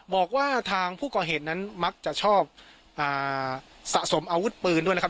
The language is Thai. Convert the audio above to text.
บอกว่าทางผู้ก่อเหตุนั้นมักจะชอบสะสมอาวุธปืนด้วยนะครับ